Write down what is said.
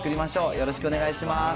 よろしくお願いします。